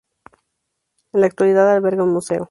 En la actualidad alberga un museo.